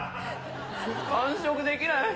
完食できない。